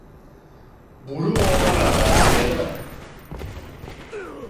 Burugogorra zara, gero!